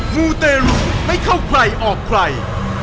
มูเตรุไม่เข้าใครออกใคร